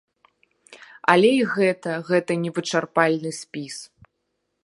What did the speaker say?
Але і гэта гэта не вычарпальны спіс.